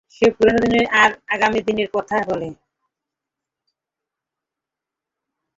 সে পুরনোদিনের আর আগামীদিনের কথা বলে।